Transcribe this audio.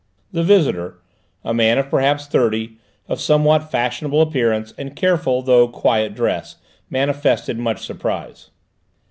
The visitor, a man of perhaps thirty, of somewhat fashionable appearance and careful though quiet dress, manifested much surprise.